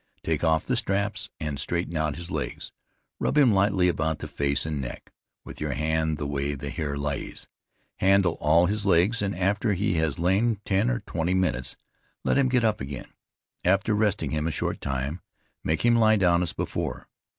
Take off the straps, and straighten out his legs; rub him lightly about the face and neck with your hand the way the hair lays; handle all his legs, and after he has lain ten or twenty minutes, let him get up again. After resting him a short time, make him lie down as before.